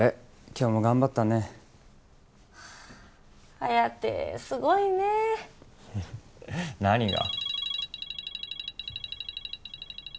今日も頑張ったねはあ颯すごいね何が？